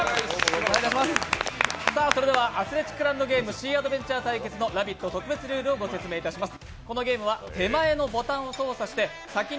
それでは「アスレチックランドゲームシーアドベンチャー」対決の「ラヴィット！」特別ルールをご説明いたします。